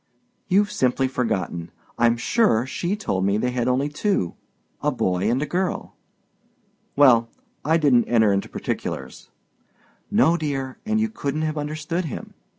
"You've simply forgotten. I'm sure she told me they had only two—a boy and a girl." "Well, I didn't enter into particulars." "No, dear, and you couldn't have understood him.